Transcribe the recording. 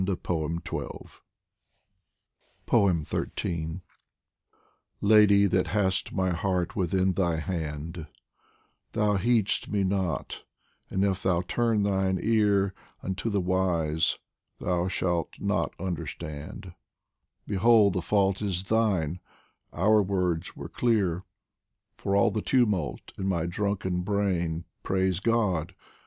XIII LADY that hast my heart within thy hand, Thou heed'st me not ; and if thou turn thine ear Unto the wise, thou shalt not understand Behold the fault is thine, our words were clear. For all the tumult in my drunken brain Praise God